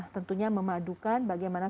tentunya memadukan bagaimana